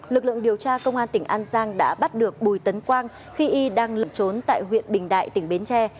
lực lượng điều tra công an tỉnh an giang đã bắt được bùi tấn quang khi y đang lẩn trốn tại huyện bình đại tỉnh bến tre